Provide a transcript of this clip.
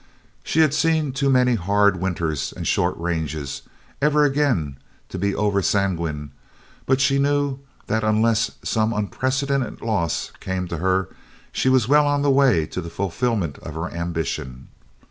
She had seen too many hard winters and short ranges ever again to be over sanguine, but she knew that unless some unprecedented loss came to her she was well on the way to the fulfillment of her ambition.